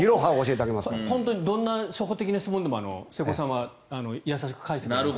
本当にどんな初歩的な質問でも瀬古さんは優しく返してくれます。